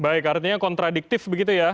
baik artinya kontradiktif begitu ya